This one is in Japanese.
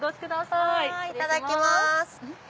いただきます。